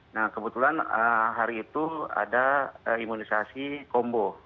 nah kebetulan hari itu ada imunisasi kombo